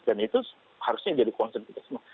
dan itu harusnya jadi konsentrasi